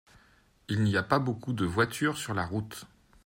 Il n’y a pas beaucoup de voitures sur la route.